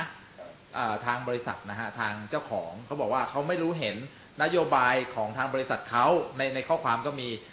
อ่าทางบริษัทนะฮะทางเจ้าของเขาบอกว่าเขาไม่รู้เห็นนโยบายของทางบริษัทเขาในในข้อความก็มี